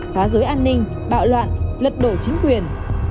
phá dối an ninh bạo loạn lật đổ chính quyền